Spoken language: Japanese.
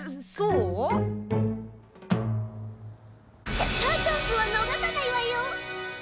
シャッターチャンスはのがさないわよ！